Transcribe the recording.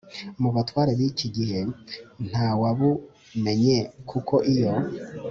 Mu batware b iki gihe nta wabumenye kuko iyo